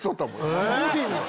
すごいな！